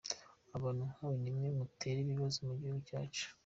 Abantu nkawe nimwe mutera ibibazo mu gihugu cyacu!